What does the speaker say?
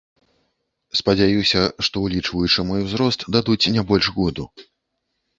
Спадзяюся, што ўлічваючы мой узрост дадуць не больш году.